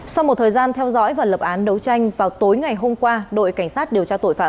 sau một thời gian theo dõi và lập án đấu tranh vào tối ngày hôm qua đội cảnh sát điều tra tội phạm